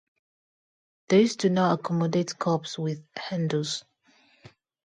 These do not accommodate cups with handles.